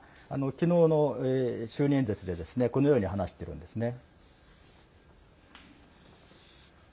きのうの就任演説でこのように話しているんですね。